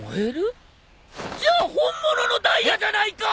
じゃあ本物のダイヤじゃないか！